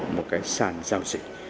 một cái sàn giao dịch